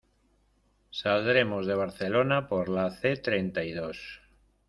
Saldremos de Barcelona por la C treinta y dos.